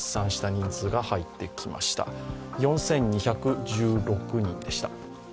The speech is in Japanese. ４２１６人でした。